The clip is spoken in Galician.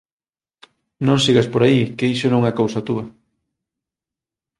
Non sigas por aí que iso non é cousa túa.